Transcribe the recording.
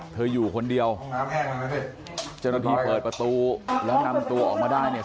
อยู่คนเดียวเจ้าหน้าที่เปิดประตูแล้วนำตัวออกมาได้เนี่ย